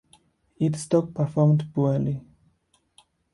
Its stock performed poorly.